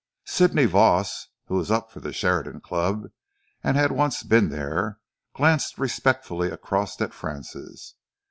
Sidney Voss, who was up for the Sheridan Club and had once been there, glanced respectfully across at Francis.